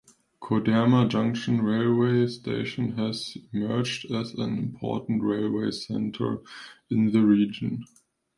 Koderma Junction railway station has emerged as an important railway centre in the region.